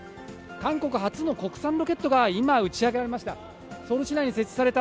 韓国初の国産ロケットが今、打ち上げられました。